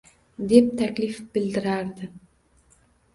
deb taklif bildirardi.